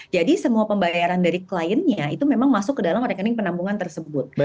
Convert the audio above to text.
jadi semua pembayaran dari kliennya itu memang masuk ke dalam rekening penampungan tersebut